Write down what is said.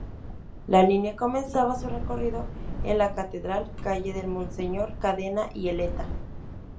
La Línea comenzaba su recorrido en la Catedral, Calle del Monseñor Cadena y Eleta.